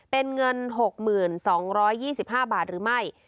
เป็นเงิน๖๒๒๕บาทหรือไม่